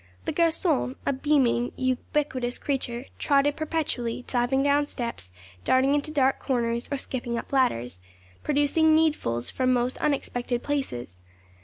The garçon, a beaming, ubiquitous creature, trotted perpetually, diving down steps, darting into dark corners, or skipping up ladders, producing needfuls from most unexpected places.